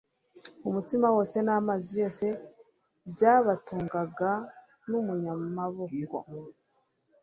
umutsima wose n'amazi yose byabatungaga, n'umunyamaboko